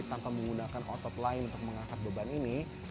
tanpa menggunakan otot lain untuk mengangkat beban ini